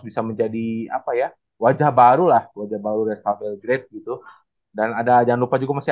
bisa menjadi apa ya wajah barulah wajah baru rest of the great gitu dan ada jangan lupa juga masih